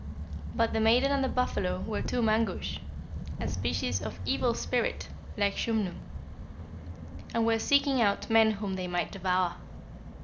But the maiden and the buffalo were two Mangusch (a species of evil spirit like the Schumnu), and were seeking out men whom they might devour.